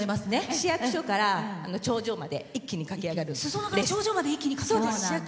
市役所から頂上まで一気に駆け上がるんです。